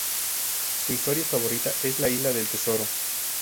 Su historia favorita es La isla del tesoro.